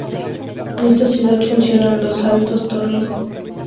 En esta ciudad funcionan los altos hornos de Thyssen-Krupp y Krupp-Mannesmann.